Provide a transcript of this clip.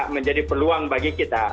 menjadi peluang bagi kita